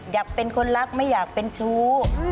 อยากเป็นคนรักไม่อยากเป็นชู้